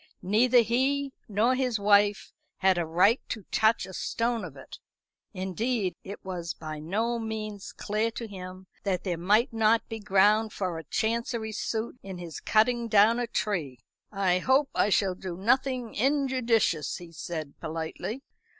Neither he nor his wife had a right to touch a stone of it. Indeed, it was by no means clear to him that there might not be ground for a Chancery suit in his cutting down a tree. "I hope I shall do nothing injudicious," he said politely.